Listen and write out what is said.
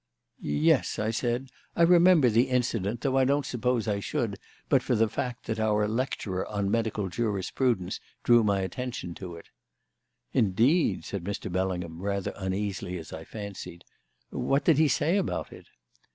"Yes," I said, "I remember the incident, though I don't suppose I should but for the fact that our lecturer on medical jurisprudence drew my attention to it." "Indeed," said Mr. Bellingham, rather uneasily, as I fancied. "What did he say about it?"